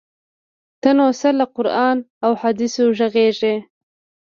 ته نو څه له قران او احادیثو ږغیږې؟!